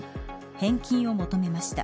返金を求めました。